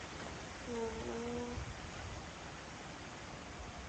奥运会结束，各国运动员共拿走了三百三十多枚奖牌。